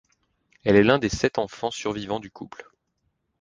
Elle est l'un des sept enfants survivants du couple.